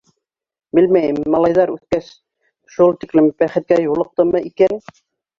Белмәйем, малайҙар, үҫкәс, шул тиклем бәхеткә юлыҡтымы икән!